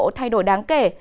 trung bộ thay đổi đáng kể